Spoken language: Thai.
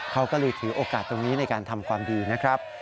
เขาก็เลยถือโอกาสตรงนี้ในการทำความดีนะครับ